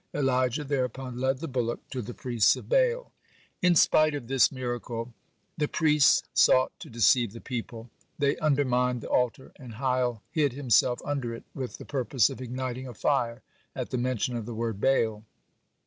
Elijah thereupon led the bullock to the priests of Baal. (14) In spite of this miracle, the priests sought to deceive the people. They undermined the altar, and Hiel hid himself under it with the purpose of igniting a fire at the mention of the word Baal.